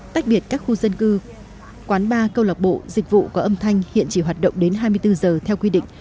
tách biệt các khu dân cư quán ba câu lạc bộ dịch vụ có âm thanh hiện chỉ hoạt động đến hai mươi bốn giờ theo quy định